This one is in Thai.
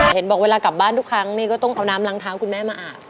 เห็นบอกเวลากลับบ้านทุกครั้งนี่ก็ต้องเอาน้ำล้างเท้าคุณแม่มาอาบ